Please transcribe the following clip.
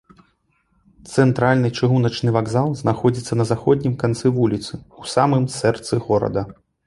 Цэнтральны чыгуначны вакзал знаходзіцца на заходнім канцы вуліцы, у самым сэрцы горада.